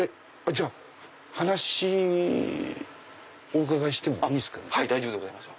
話お伺いしてもいいですか？